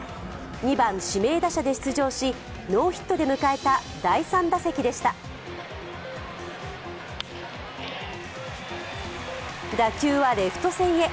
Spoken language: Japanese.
２番・指名打者で出場しノーヒットで迎えた第３打席でした打球はレフト線へ。